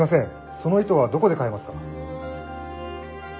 その糸はどこで買えますか？